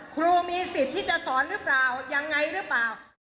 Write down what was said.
ครูมีสิทธิ์ที่จะสอนหรือเปล่ายังไงหรือเปล่า